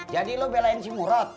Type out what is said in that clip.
jadi lo belain si murad